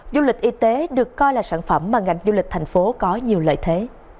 du lịch y tế được coi là sản phẩm mà ngành du lịch tp hcm có nhiều lợi thế